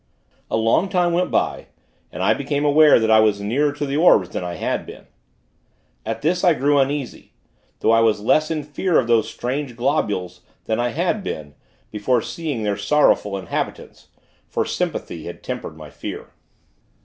A long time went by, and I became aware that I was nearer to the orbs, than I had been. At this, I grew uneasy; though I was less in fear of those strange globules, than I had been, before seeing their sorrowful inhabitants; for sympathy had tempered my fear.